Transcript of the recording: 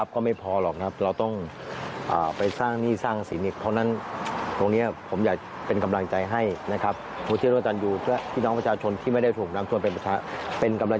ก็ไม่ใช่แค่ที่อุบลนะแค่ไปที่ที่เลย